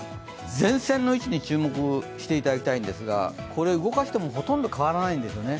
前線の位置に注目していただきたいんですがこれ、動かしてもほとんど変わらないんですよね。